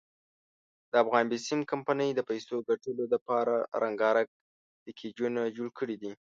دافغان بېسیم کمپنۍ د پیسو دګټلو ډپاره رنګارنګ پېکېجونه جوړ کړي دي.